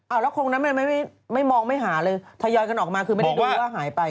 เอาแล้วคงนั้นมันไม่มองไม่หาเลยทยอยกันออกมาคือไม่ได้ดูว่าหายไป